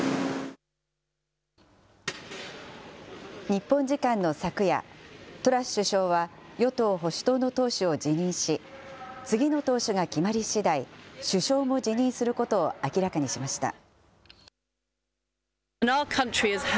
日本時間の昨夜、トラス首相は与党・保守党の党首を辞任し、次の党首が決まりしだい、首相も辞任することを明らかにしました。